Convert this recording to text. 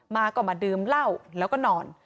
มาก็มาดื่มเหล้าแล้วก็นอน